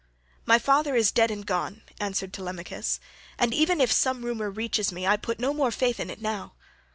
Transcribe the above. "My father is dead and gone," answered Telemachus, "and even if some rumour reaches me I put no more faith in it now.